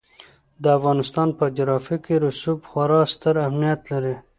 د افغانستان په جغرافیه کې رسوب خورا ستر اهمیت لري.